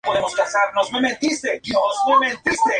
Los cortometrajes de la banda en vivo se sacaron del sencillo.